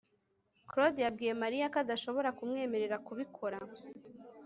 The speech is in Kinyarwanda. claude yabwiye mariya ko adashobora kumwemerera kubikora